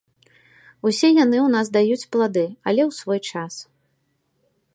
Усе яны ў нас даюць плады, але ў свой час.